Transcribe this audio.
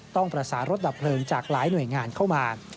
ต้องประสานรถดับเพลิงจากหลายหน่วยงานเข้ามา